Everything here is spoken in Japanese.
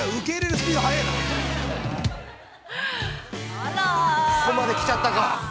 ◆あら、◆ここまで来ちゃったか。